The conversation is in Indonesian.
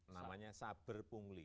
namanya saber pungli